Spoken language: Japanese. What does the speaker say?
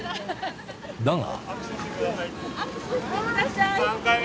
だが。